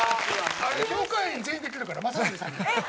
あれ協会員全員できるから雅紀さんに。えっ？